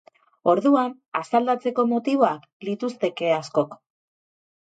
Orduan, asaldatzeko motiboak lituzteke askok.